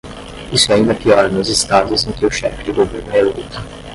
Isso é ainda pior nos estados em que o chefe de governo é eleito.